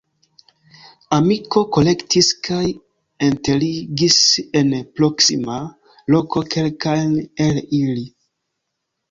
Amiko kolektis kaj enterigis en proksima loko kelkajn el ili.